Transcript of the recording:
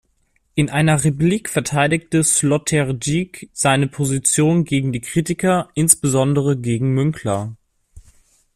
In einer Replik verteidigte Sloterdijk seine Position gegen die Kritiker, insbesondere gegen Münkler.